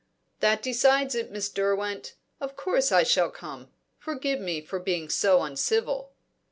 "That decides it, Miss Derwent. Of course I shall come. Forgive me for being so uncivil."